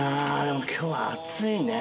でも今日は暑いね。